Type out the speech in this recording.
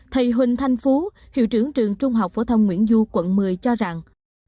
thầy huỳnh thanh phú hiệu trưởng trường trung học phổ thông nguyễn du quận một mươi cho rằng